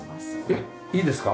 えっいいですか？